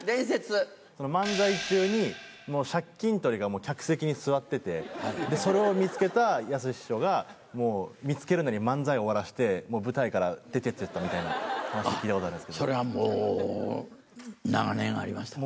漫才中に、借金取りが客席に座ってて、それを見つけたやすし師匠がもう、見つけるのに漫才を終わらせて、舞台から出て行っちゃったみたいな話聞いたんですけそれはもう、長年ありました。